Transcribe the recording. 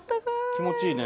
気持ちいいね。